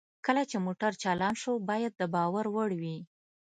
کله چې موټر چالان شو باید د باور وړ وي